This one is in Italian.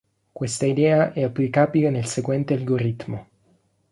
Questa idea è applicabile nel seguente algoritmo.